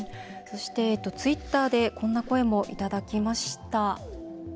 そして、ツイッターでこんな声もいただきました。